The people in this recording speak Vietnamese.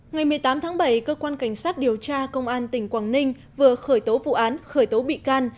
ngày một mươi tám tháng bảy cơ quan cảnh sát điều tra công an tỉnh quảng ninh vừa khởi tố vụ án khởi tố bị can